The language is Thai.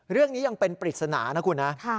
เรื่องนี้ยังเป็นปริศนานะคุณนะ